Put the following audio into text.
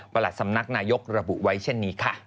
สำนักนายกระบุไว้เช่นนี้ค่ะ